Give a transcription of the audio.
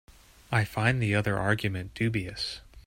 I find the other argument dubious.